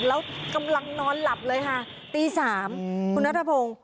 แล้วกำลังนอนหลับเลยค่ะตี๓คุณนัทพงศ์